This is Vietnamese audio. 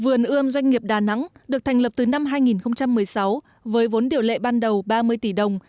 vườn ươm doanh nghiệp đà nẵng được thành lập từ năm hai nghìn một mươi sáu với vốn điều lệ ban đầu ba mươi tỷ đồng